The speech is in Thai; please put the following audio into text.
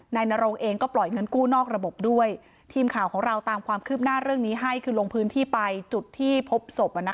นรงเองก็ปล่อยเงินกู้นอกระบบด้วยทีมข่าวของเราตามความคืบหน้าเรื่องนี้ให้คือลงพื้นที่ไปจุดที่พบศพ